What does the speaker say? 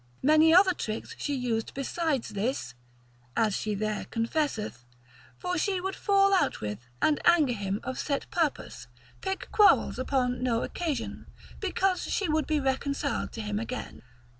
Many other tricks she used besides this (as she there confesseth), for she would fall out with, and anger him of set purpose, pick quarrels upon no occasion, because she would be reconciled to him again.